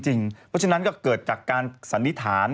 เพราะฉะนั้นก็เกิดจากการสันนิษฐาน